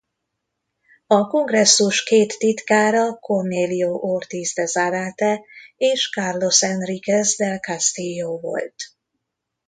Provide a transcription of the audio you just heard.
A kongresszus két titkára Cornelio Ortiz de Zárate és Carlos Enríquez del Castillo volt.